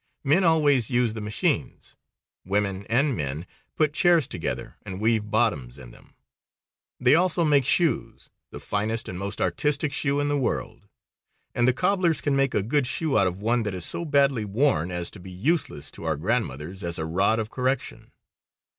Men always use the machines. Women and men put chairs together and weave bottoms in them. They also make shoes, the finest and most artistic shoe in the world, and the cobblers can make a good shoe out of one that is so badly worn as to be useless to our grandmothers as a rod of correction.